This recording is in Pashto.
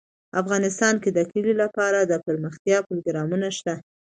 افغانستان کې د کلي لپاره دپرمختیا پروګرامونه شته.